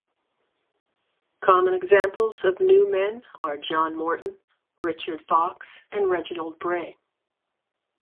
Common examples of new men are John Morton, Richard Foxe and Reginald Bray.